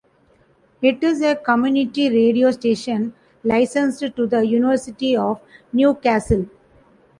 It is a community radio station, licensed to the University of Newcastle.